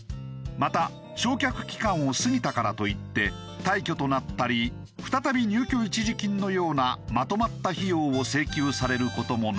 また償却期間を過ぎたからといって退去となったり再び入居一時金のようなまとまった費用を請求される事もないという。